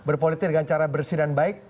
berpolitik dengan cara bersih dan baik